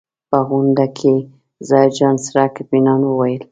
په غونډه کې ظاهرجان څرک اطمنان وویل.